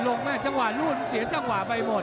รูดไม่ลงแม่งรูดเสียจังหวะไปหมด